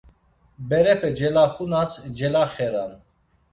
Berepe celaxunas celaxeran.